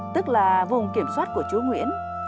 tức là vùng kiểm soát của chúa nguyễn